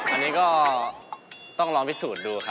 อันนี้ก็ต้องลองพิสูจน์ดูครับ